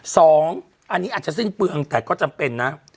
สองอันนี้อาจจะสิ้นเปลืองแต่ก็จำเป็นนะ